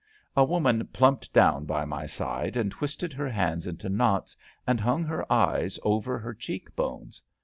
A woman plumped down by my side and twisted her hands into knots, and hung her eyes over her cheek bones.